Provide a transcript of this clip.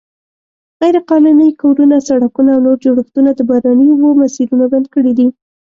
غیرقانوني کورونه، سړکونه او نور جوړښتونه د باراني اوبو مسیرونه بند کړي دي.